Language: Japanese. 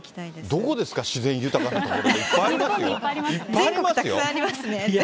どこですか、自然豊かな所って、いっぱいありますよ。